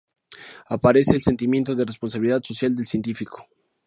Aparece el sentimiento de responsabilidad social del científico.